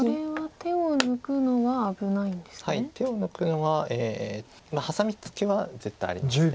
手を抜くのはハサミツケは絶対あります。